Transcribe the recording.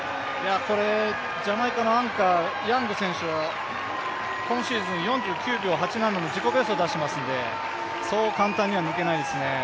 これ、ジャマイカのアンカーヤング選手は今シーズン４９秒８７の自己ベストを出していますのでそう簡単には抜けないですね。